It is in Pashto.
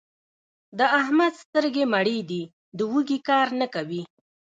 د احمد سترګې مړې دي؛ د وږي کار نه کوي.